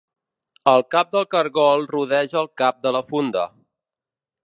El cap del cargol rodeja el cap de la funda.